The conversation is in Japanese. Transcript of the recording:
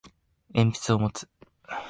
鉛筆を持つ